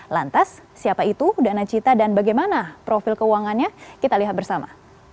lantas siapa itu danacita dan bagaimana profil keuangannya kita lihat bersama